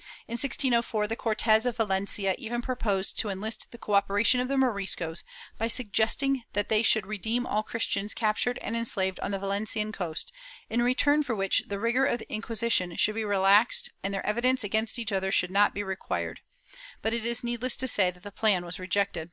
^ In 1604, the Cortes of Valencia even proposed to enlist the cooperation of the Moriscos, by suggesting that they should redeem all Christians captured and enslaved on the Valencian coast, in return for which the rigor of the Inqui sition should be relaxed and their evidence against each other should not be required, but it is needless to say that the plan was rejected.